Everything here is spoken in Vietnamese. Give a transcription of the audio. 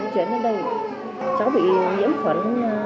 cháu bị nhiễm phấn